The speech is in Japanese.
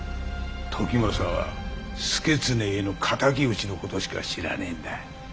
時政は祐経への敵討ちのことしか知らねえんだ。